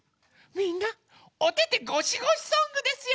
みんなおててごしごしソングですよ！